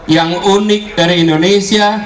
yang unik dari indonesia